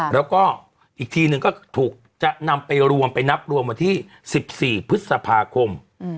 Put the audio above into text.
แล้วก็อีกทีหนึ่งก็ถูกจะนำไปรวมไปนับรวมวันที่๑๔พฤษภาคม